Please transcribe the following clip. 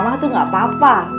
kalau mama tuh nggak apa apa